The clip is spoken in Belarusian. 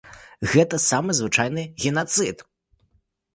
Гэта самы звычайны генацыд.